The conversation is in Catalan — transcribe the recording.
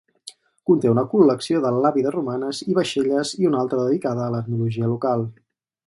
Conté una col·lecció de làpides romanes i vaixelles i un altre dedicada a l'etnologia local.